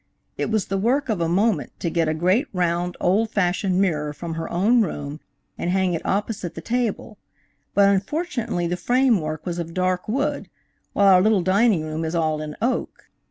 It was the work of a moment to get a great round, old fashioned mirror from her own room and hang it opposite the table, but unfortunately the framework was of dark wood, while our little dining room is all in oak.